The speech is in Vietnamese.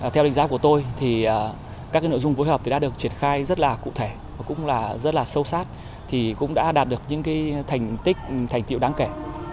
theo đánh giá của tôi các nội dung phối hợp đã được triển khai rất cụ thể rất sâu sát cũng đã đạt được những thành tích thành tiệu đáng kể